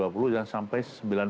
kemudian sampai sembilan puluh